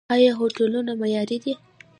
آیا هوټلونه معیاري دي؟